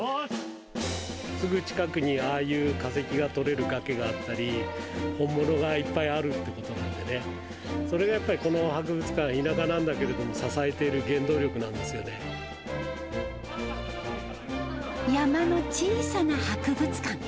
すぐ近くに、ああいう化石が取れる崖があった、本物がいっぱいあるってことなんでね、それがやっぱりこの博物館、田舎なんだけれども、支えている山の小さな博物館。